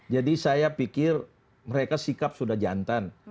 jadi saya pikir mereka sikap sudah jantan